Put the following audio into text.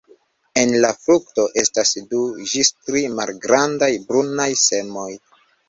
En la frukto estas du ĝis tri malgrandaj brunaj semoj.